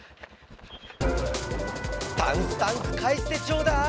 タンスタンクかえしてちょうだい！